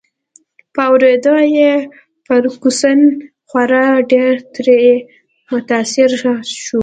په اوریدو یې فرګوسن خورا ډېر ترې متاثره شوه.